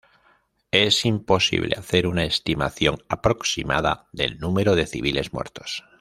Es imposible hacer una estimación aproximada del número de civiles muertos.